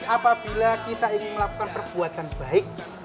apabila kita ingin melakukan perbuatan baik